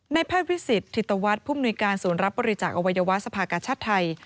แพทย์วิสิตธิตวัฒน์ผู้มนุยการศูนย์รับบริจาคอวัยวะสภากชาติไทย